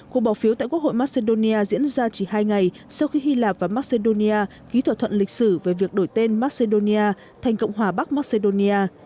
cuộc bỏ phiếu tại quốc hội macedonia diễn ra chỉ hai ngày sau khi hy lạp và macedonia ký thỏa thuận lịch sử về việc đổi tên macedonia thành cộng hòa bắc macedonia